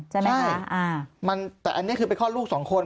ใช่ไหมแต่อันนี้คือไปคลอดลูกสองคน